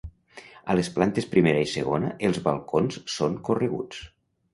A les plantes primera i segona els balcons són correguts.